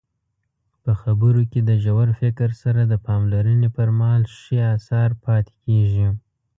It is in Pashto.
په خبرو کې د ژور فکر سره د پاملرنې پرمهال ښې اثار پاتې کیږي.